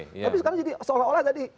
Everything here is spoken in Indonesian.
tapi sekarang jadi seolah olah tadi